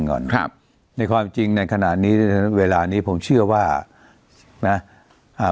ก่อนครับในความจริงในขณะนี้เวลานี้ผมเชื่อว่านะอ่า